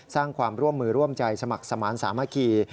สร้างความร่วมมือร่วมใจสมัครสมาธิสามัคคี